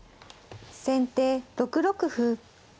先手６六歩。